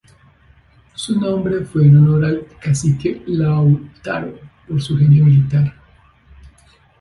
Su nombre fue en honor al cacique Lautaro, por su genio militar.